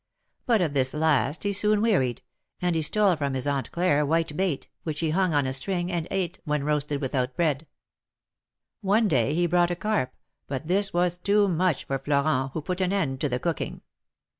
But of this last he soon wearied, and he stole from his Aunt Claire white bait, which he hung on a string, and eat when roasted without bread. One day he brought a carp, but this was too much for Florent, who put an end to the cooking.